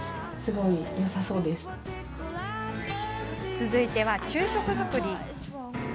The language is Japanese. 続いては、昼食作り。